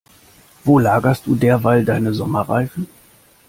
Wo lagerst du derweil deine Sommerreifen?